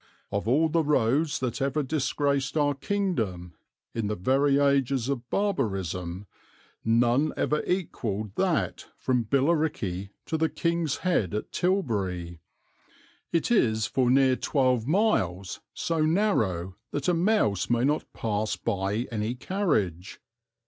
"Of all the roads that ever disgraced our kingdom, in the very ages of barbarism, none ever equalled that from Billericay to the King's Head at Tilbury. It is for near twelve miles so narrow that a mouse may not pass by any carriage.